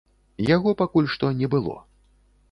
Яго пакуль што не было.